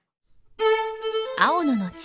青野の父